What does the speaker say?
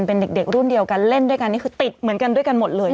เป็นเด็กรุ่นเดียวกันเล่นด้วยกันนี่คือติดเหมือนกันด้วยกันหมดเลย